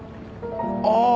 ああ。